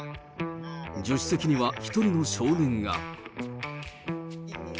助手席には１人の少年が。